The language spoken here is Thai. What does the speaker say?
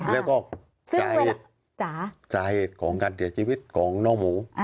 แล้วก็สาเหตุของการเสียชีวิตของน้องหมู